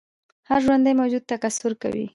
هر ژوندی موجود تکثیر کوي